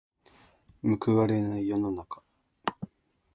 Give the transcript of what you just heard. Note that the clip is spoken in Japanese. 報われない世の中。